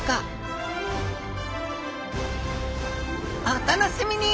お楽しみに！